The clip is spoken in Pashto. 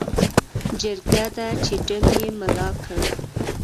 جرګه ده چې ډم یې ملا کړ.